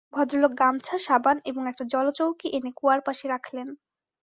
ভদ্রলোক গামছা, সাবান এবং একটা জলচৌকি এনে কুয়ার পাশে রাখলেন।